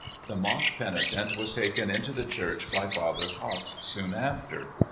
The mock penitent was taken into the Church by Father Cox soon after.